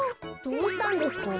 どうしたんですか？